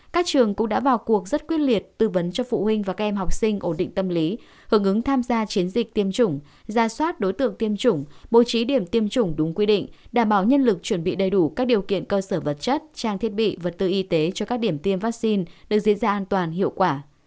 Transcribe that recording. các trường cũng đã vào cuộc rất quyết liệt tư vấn cho phụ huynh và các em học sinh ổn định tâm lý hưởng ứng tham gia chiến dịch tiêm chủng ra soát đối tượng tiêm chủng bố trí điểm tiêm chủng đúng quy định đảm bảo nhân lực chuẩn bị đầy đủ các điều kiện cơ sở vật chất trang thiết bị vật tư y tế cho các điểm tiêm vaccine được diễn ra an toàn hiệu quả